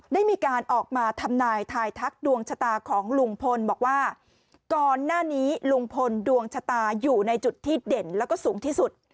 ได้มีการออกมาทำนายทายทักดวงชะตาของลุงพลบอกว่าก่อนหน้านี้ลุงพลดวงชะตาอยู่ในจุดที่เด่นแล้วก็สูงที่สุด